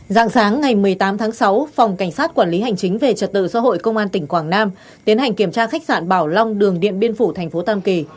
dạng sáng ngày một mươi tám tháng sáu phòng cảnh sát quản lý hành chính về trật tự xã hội công an tỉnh quảng nam tiến hành kiểm tra khách sạn bảo long đường điện biên phủ tp tam kỳ